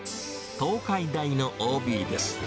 東海大のＯＢです。